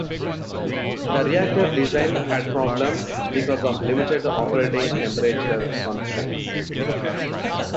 The reactor design had problems because of limited operating temperature constraints.